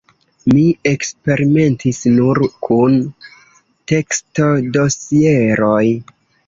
Mi eksperimentis nur kun tekstodosieroj.